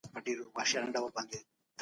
موږ هره ورځ د سياسي پېښو خبرونه اورو.